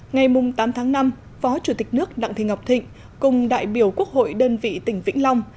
ngày tám tháng năm phó chủ tịch nước đặng thị ngọc thịnh cùng đại biểu quốc hội đơn vị tỉnh vĩnh long